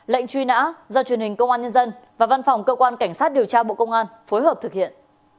lệnh truy nã do truyền hình công an nhân dân và văn phòng cơ quan cảnh sát điều tra bộ công an phối hợp thực hiện